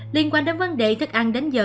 liên quan đến vấn đề thức ăn đến giờ